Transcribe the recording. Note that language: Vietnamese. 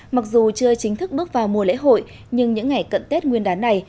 mặc dù chưa chính thức bước vào mùa lễ hội nhưng những ngày cận tết nguyên đán này